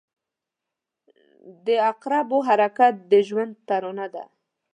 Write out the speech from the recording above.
• د عقربو حرکت د ژوند ترانه ده.